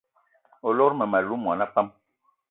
O lot mmem- alou mona pam?